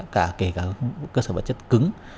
các hệ thống cơ sở vật chất cứng